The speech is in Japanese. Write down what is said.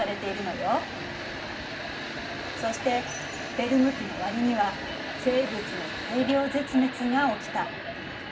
そしてペルム紀の終わりには生物の大量絶滅が起きた。